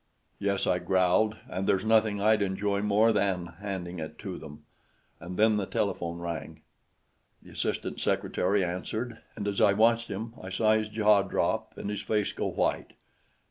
"Yes," I growled, "and there's nothing I'd enjoy more than handing it to them!" And then the telephone bell rang. The assistant secretary answered, and as I watched him, I saw his jaw drop and his face go white.